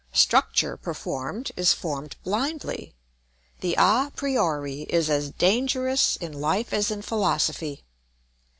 Structure performed is formed blindly; the a priori is as dangerous in life as in philosophy.